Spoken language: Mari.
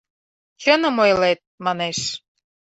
— Чыным ойлет, — манеш.